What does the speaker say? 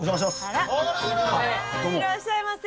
いらっしゃいませ。